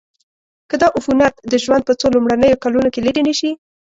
که دا عفونت د ژوند په څو لومړنیو کلونو کې لیرې نشي.